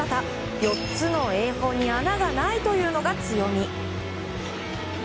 ４つの泳法に穴がないというのが強み。